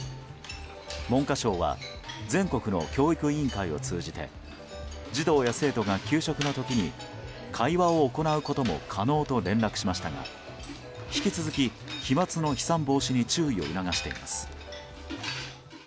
文科省は全国の教育委員会を通じて児童や生徒が給食の時に会話を行うことも可能と連絡しましたが引き続き飛沫の飛散防止に注意を促しています。